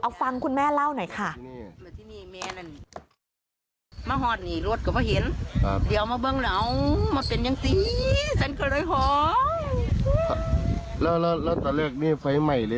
เอาฟังคุณแม่เล่าหน่อยค่ะ